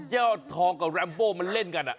ยอดทองกับแรมโบมันเล่นกัน